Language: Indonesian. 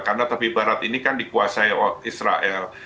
karena tepi barat ini dikuasai oleh israel